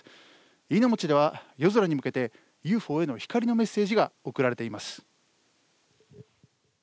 飯野町では夜空に向けてＵＦＯへの光のメッセージが送られています。